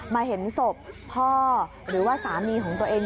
เห็นศพพ่อหรือว่าสามีของตัวเอง